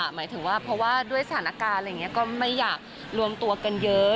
หมายถึงว่าเพราะว่าด้วยสถานการณ์อะไรอย่างนี้ก็ไม่อยากรวมตัวกันเยอะ